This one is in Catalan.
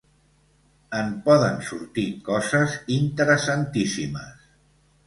En poden sortir coses interessantíssimes!